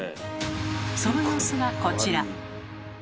その様子がこちら。